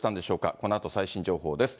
このあと最新情報です。